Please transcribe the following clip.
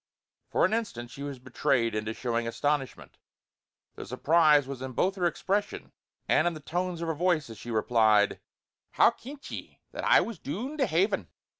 For an instant she was betrayed into showing astonishment; the surprise was in both her expression and in the tones of her voice as she replied: "How kent ye that I was doon the Haven?"